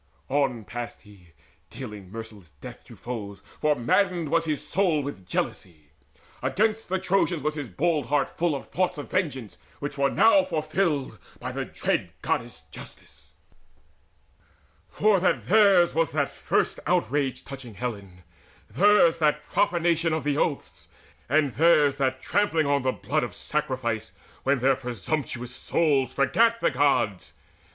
On passed he, dealing merciless death to foes, For maddened was his soul with jealousy. Against the Trojans was his bold heart full Of thoughts of vengeance, which were now fulfilled By the dread Goddess Justice, for that theirs Was that first outrage touching Helen, theirs That profanation of the oaths, and theirs That trampling on the blood of sacrifice When their presumptuous souls forgat the Gods.